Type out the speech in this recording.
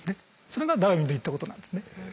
それがダーウィンの言ったことなんですね。